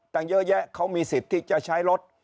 ยังเยอะแยะเขามีศิษย์ที่จะใช้ลด